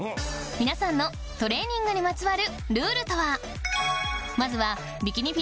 皆さんのトレーニングにまつわるルールとはまずは朝６時！？